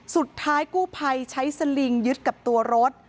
สุดท้ายกู้ภัยใช้สลิงยึดกับตัวรถ